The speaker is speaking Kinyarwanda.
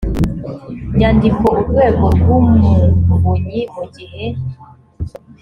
nyandiko urwego rw umuvunyi mu gihe